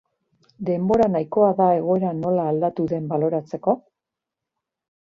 Denbora nahikoa da egoera nola aldatu den baloratzeko?